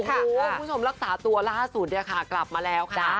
คุณผู้ชมรักษาตัวล่าศุนย์กลับมาแล้วค่ะ